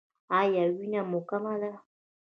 ایا وینه مو کمه ده؟